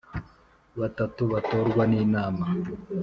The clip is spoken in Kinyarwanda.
Batatu batorwa n inama